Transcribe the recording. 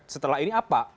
setelah ini apa